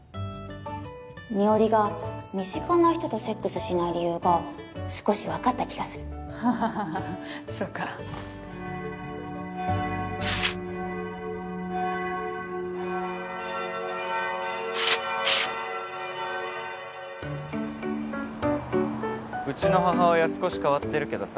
美織が身近な人とセックスしない理由が少し分かった気がするハハハハそっかうちの母親少し変わってるけどさ